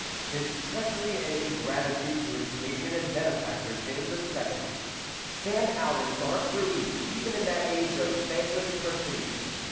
His treachery and ingratitude to his patron and benefactor, James II., stand out in dark relief, even in that age of thankless perfidy.